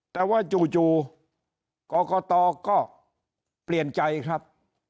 แต่ว่าจู่กรกตก็เปลี่ยนใจครับ